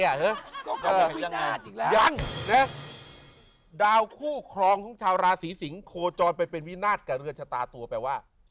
ยังนะดาวคู่ครองของชาวราศีสิงศ์โคจรไปเป็นวินาศกับเรือนชะตาตัวแปลว่า